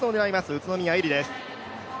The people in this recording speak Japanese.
宇都宮絵莉です。